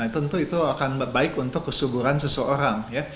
tentu itu akan baik untuk kesuburan seseorang